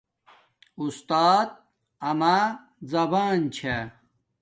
اُستات اما زبان چھا